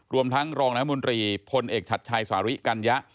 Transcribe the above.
รวมทั้งรองน้ำมนตรีพลเอกชัดชัยสาริกัญญะ